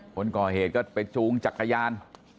คนก่อเหตุก็ไปจูงจักรยาน